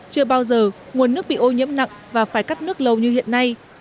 chưa bao giờ nguồn nước bị ô nhiễm nặng và phải cắt nước lâu như hiện nay